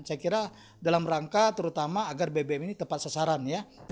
saya kira dalam rangka terutama agar bbm ini tepat sasaran